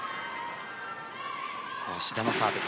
志田のサーブ。